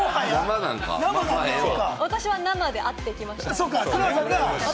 私は、生で会ってきました。